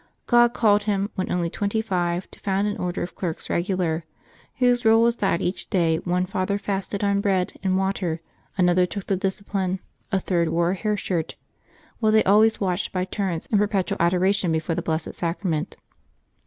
God called him, when only twenty five, to found an Order of Clerks Eegular, whose rule was that each day one father fasted on bread and water, another took the discipline, a third wore a hair shirt, while they always watched by turns in perpetual adoration before the Blessed Sacrament.